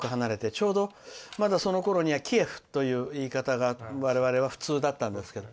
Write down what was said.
ちょうどそのころにはキエフという言い方が我々は普通だったんですけど。